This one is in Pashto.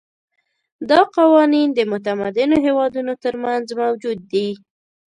دا قوانین د متمدنو هېوادونو ترمنځ موجود دي.